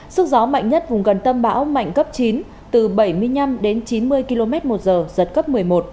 sức gió mạnh nhất vùng gần tâm bão mạnh cấp chín từ bảy mươi năm đến chín mươi km một giờ giật cấp một mươi một